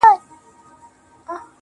o پښتې ستري تر سترو، استثناء د يوې گوتي.